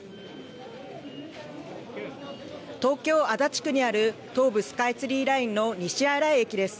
東京足立区にある東武スカイツリーラインの西新井駅です。